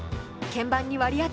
鍵盤に割り当て